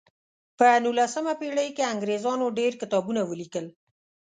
په نولسمه پیړۍ کې انګریزانو ډیر کتابونه ولیکل.